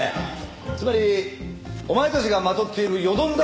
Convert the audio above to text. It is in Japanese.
つまりお前たちがまとっているよどんだ